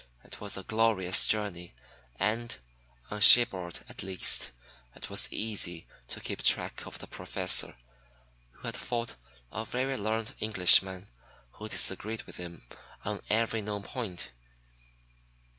It was a glorious journey and, on shipboard at least, it was easy to keep track of the Professor, who had found a very learned Englishman who disagreed with him on every known point.